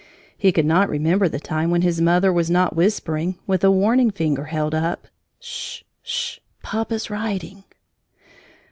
He could not remember the time when his mother was not whispering, with a warning finger held up, "Sh Sh Papa's writing!"